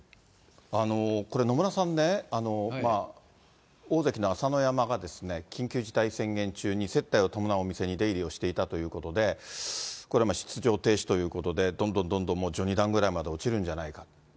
これ、野村さんね、大関の朝乃山が緊急事態宣言中に接待を伴うお店に出入りをしていたということで、これ、出場停止ということで、どんどんどんどん序二段ぐらいまで落ちるんじゃないかと。